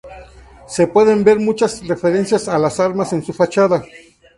Se pueden ver muchas referencias a las armas en su fachada.